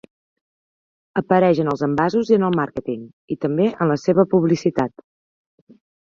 Apareix en els envasos i en el màrqueting, i també en la seva publicitat.